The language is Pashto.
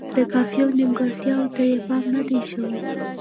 د قافیې نیمګړتیاوو ته یې پام نه دی شوی.